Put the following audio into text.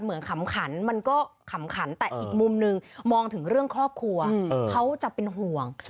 ขำขันมันก็ขำขันแต่อีกมุมนึงมองถึงเรื่องครอบครัวเขาจะเป็นห่วง